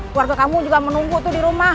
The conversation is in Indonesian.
keluarga kamu juga menunggu tuh di rumah